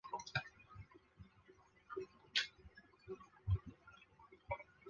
道格拉斯飞行器公司设计了一个系统以防止螺旋桨叶片在飞行途中意外地进行反推。